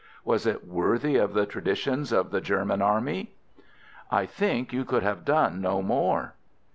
Was it worthy of the traditions of the German army?" "I think you could have done no more."